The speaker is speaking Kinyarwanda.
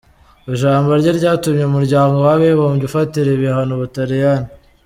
Ijambo rye ryatumye umuryango w’abibumbye ufatira ibihano ubutaliyani.